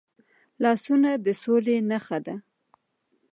لاسونه د سولې نښه ده